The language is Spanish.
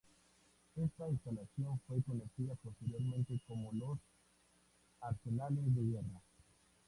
Esta instalación fue conocida posteriormente como los Arsenales de Guerra.